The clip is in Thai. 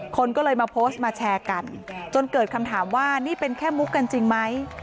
คนก็เลยมาโพสต์มาแชร์กันจนเกิดคำถามว่านี่เป็นแค่มุกกันจริงไหม